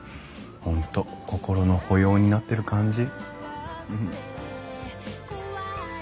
本当心の保養になってる感じ。